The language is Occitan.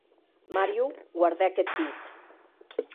Mario guardèc eth dit.